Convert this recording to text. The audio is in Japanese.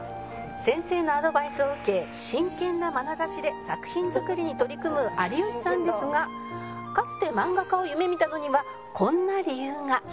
「先生のアドバイスを受け真剣なまなざしで作品作りに取り組む有吉さんですがかつて漫画家を夢見たのにはこんな理由が」